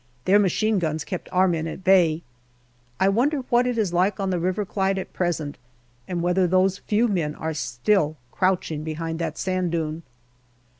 Their machine guns kept our men at bay. I wonder what it is like on the River Clyde at present, and whether those few men are still crouching behind that sand dune.